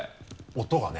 音がね。